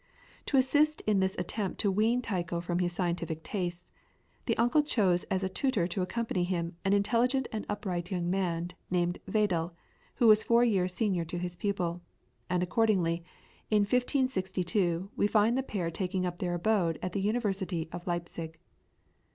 To assist in this attempt to wean Tycho from his scientific tastes, his uncle chose as a tutor to accompany him an intelligent and upright young man named Vedel, who was four years senior to his pupil, and accordingly, in 1562, we find the pair taking up their abode at the University of Leipzig.